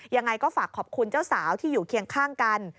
ยังไงก็ฝากขอบคุณเจ้าสาวที่อยู่เคียงข้างกัน